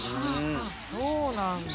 そうなんだ！